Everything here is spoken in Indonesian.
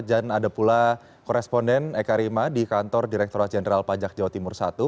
dan ada pula koresponden eka rima di kantor direkturat jenderal pajak jawa timur satu